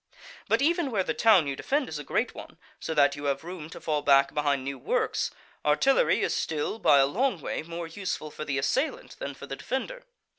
But even where the town you defend is a great one, so that you have room to fall back behind new works, artillery is still, by a long way, more useful for the assailant than for the defender.